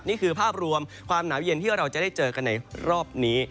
นี่คือภาพรวมความหนาวเย็นที่เราจะได้เจอกันในรอบนี้